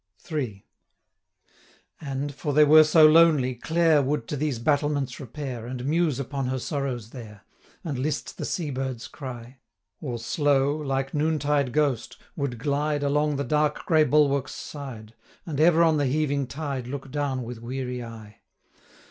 III. And, for they were so lonely, Clare Would to these battlements repair, And muse upon her sorrows there, 60 And list the sea bird's cry; Or slow, like noontide ghost, would glide Along the dark grey bulwarks' side, And ever on the heaving tide Look down with weary eye.